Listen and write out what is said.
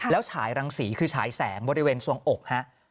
แล้วฉายรังสีคือฉายแสงบริเวณสวงอกฮะ